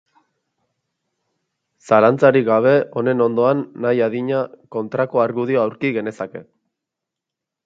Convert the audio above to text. Zalantzarik gabe honen ondoan nahi adina kontrako argudio aurki genezake.